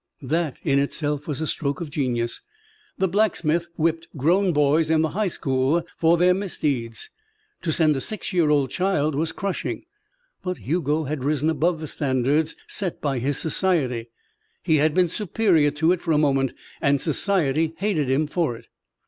That, in itself, was a stroke of genius. The blacksmith whipped grown boys in the high school for their misdeeds. To send a six year old child was crushing. But Hugo had risen above the standards set by his society. He had been superior to it for a moment, and society hated him for it.